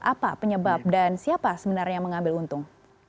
apa penyebab dan siapa sebenarnya yang mengambil untung